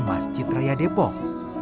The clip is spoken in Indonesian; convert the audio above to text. masjid raya depok